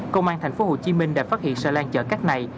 công an tp hcm đã phát hiện xà lan chở cát này